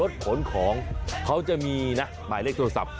วิทยาลัยศาสตร์อัศวิทยาลัยศาสตร์